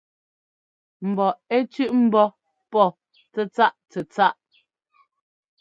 Mbɔ ɛ́ tsʉ̄ꞌ ḿbɔ́ pɔ́ tsɛ́tsáꞌ tsɛ́tsáꞌ.